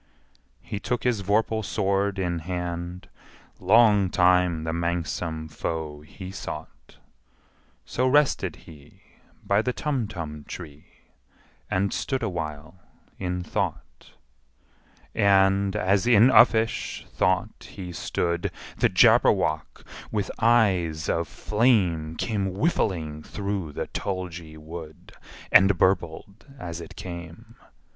He took his vorpal sword in hand: Long time the manxome foe he sought So rested he by the Tumtum tree, And stood awhile in thought. And, as in uffish thought he stood, The Jabberwock, with eyes of flame, Came whiffling through the tulgey wood, And burbled as it came!